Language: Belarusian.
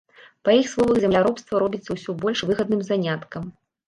Па іх словах, земляробства робіцца ўсё больш выгадным заняткам.